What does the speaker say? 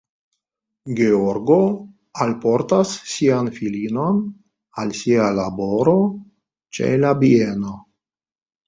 Georgo alportas sian filinon al sia laboro ĉe la bieno.